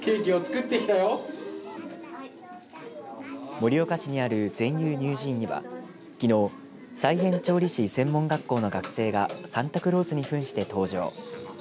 盛岡市にある善友乳児院にはきのう菜園調理師専門学校の学生がサンタクロースにふんして登場。